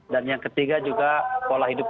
dan yang ketiga juga pola hidup